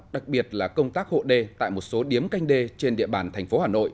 đặc biệt là công tác hộ đê tại một số điếm canh đê trên địa bàn thành phố hà nội